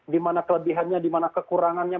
di mana kelebihannya di mana kekurangannya